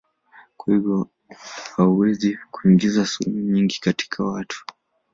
Kwa hivyo hawawezi kuingiza sumu nyingi katika watu.